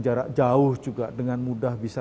jarak jauh juga dengan mudah bisa